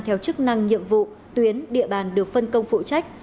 theo chức năng nhiệm vụ tuyến địa bàn được phân công phụ trách